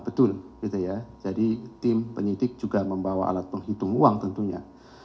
betul jadi tim penyidik juga membawa alat penghitung uang tentunya